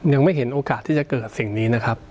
ยังไม่เห็นโอกาสที่จะเกิดสิ่งนี้นะครับ